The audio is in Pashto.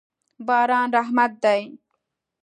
باران رحمت دی.